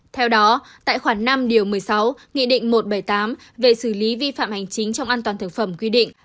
theo đó tại khoảng năm một mươi sáu nghị định một trăm bảy mươi tám về xử lý vi phạm hành chính trong an toàn thực phẩm quy định